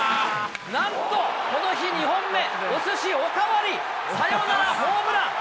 なんと、この日２本目、おすしお代わり、サヨナラホームラン。